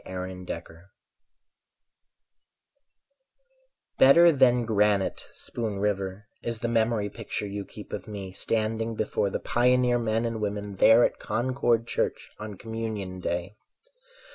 Aaron Hatfield Better than granite, Spoon River, Is the memory picture you keep of me Standing before the pioneer men and women There at Concord Church on Communion day.